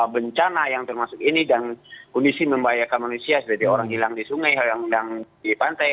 bencana yang termasuk ini dan kondisi membahayakan manusia seperti orang hilang di sungai orang hilang di pantai